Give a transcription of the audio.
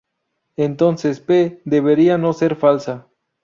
Entonces "P" debería no ser falsa.